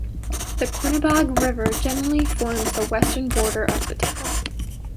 The Quinebaug River generally forms the western border of the town.